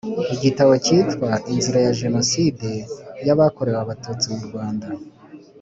Igitabo cyitwa “Inzira ya Jenoside yakorewe Abatutsi mu Rwanda”